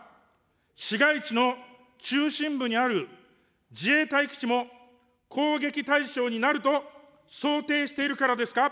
市街地の中心部にある自衛隊基地も、攻撃対象になると想定しているからですか。